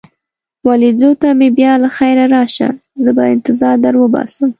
وه لیدو ته مې بیا له خیره راشه، زه به انتظار در وباسم.